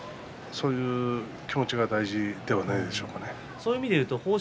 そういう気持ちが大事ではないでしょうか。